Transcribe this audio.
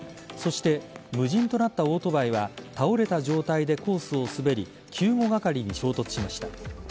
そして無人となったオートバイは倒れた状態でコースを滑り救護係に衝突しました。